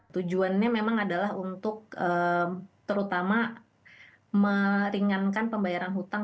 tujuannya memang adalah untuk terutama meringankan pembayaran hutang